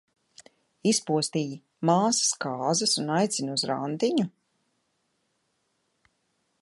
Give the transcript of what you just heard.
Izpostīji māsas kāzas un aicini uz randiņu?